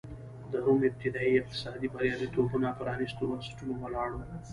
د روم ابتدايي اقتصادي بریالیتوبونه پرانېستو بنسټونو ولاړ و.